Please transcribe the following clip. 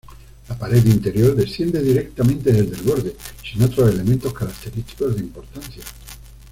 La pared interior desciende directamente desde el borde, sin otros elementos característicos de importancia.